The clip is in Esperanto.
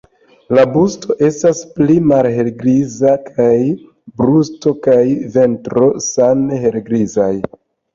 La vosto estas pli malhelgriza kaj brusto kaj ventro same helgrizaj.